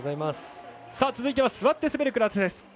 続いては座って滑るクラスです。